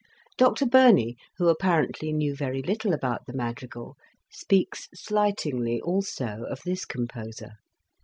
Dr Burney, who apparently knew very little about the madrigal, speaks slightingly also of this composer.